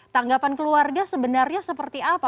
tanggapan keluarga sebenarnya seperti apa